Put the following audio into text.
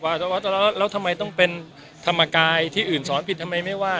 อาจจะว่าแล้วทำไมต้องเป็นธรรมกายที่อื่นสอนผิดทำไมไม่ว่า